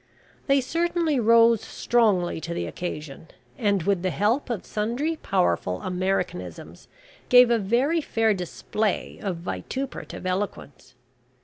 They certainly rose strongly to the occasion, and, with the help of sundry powerful Americanisms, gave a very fair display of vituperative eloquence.